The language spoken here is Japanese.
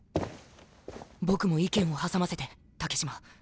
僕も意見を挟ませて竹島。